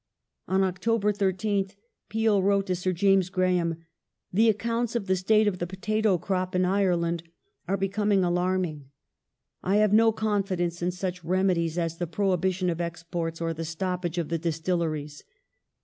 On October 13th Peel wrote to Sir James Graham :" The accounts of the state of the potato crop in Ireland are becoming alarming. I have no confidence in such remedies as the prohibition of exports, or the stoppage of the distilleries.